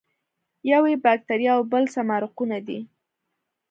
یو یې باکتریا او بل سمارقونه دي.